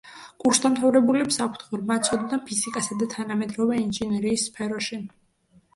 კურსდამთავრებულებს აქვთ ღრმა ცოდნა ფიზიკასა და თანამედროვე ინჟინერიის სფეროში.